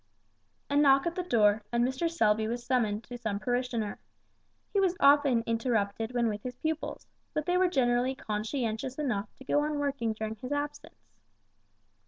A knock at the door, and Mr. Selby was summoned to some parishioner. He was often interrupted when with his pupils, but they were generally conscientious enough to go on working during his absence.